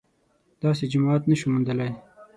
داسې جماعت نه شو موندلای